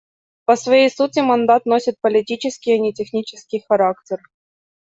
По своей сути мандат носит политический, а не технический характер.